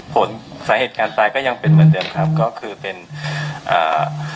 ผลสาเหตุการณ์ตายก็ยังเป็นเหมือนเดิมครับก็คือเป็นอ่า